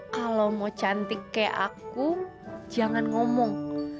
kalau mau cantik kayak aku jangan ngomong